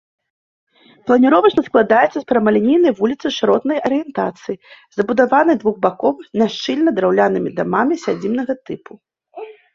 Планіровачна складаецца з прамалінейнай вуліцы шыротнай арыентацыі, забудаванай двухбакова, няшчыльна, драўлянымі дамамі сядзібнага тыпу.